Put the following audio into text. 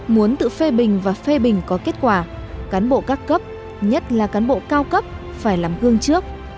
muốn tự phê bình và phê bình có kết quả cán bộ các cấp nhất là cán bộ cao cấp phải làm gương trước